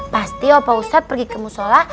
pasti bapak ustadz pergi ke musyola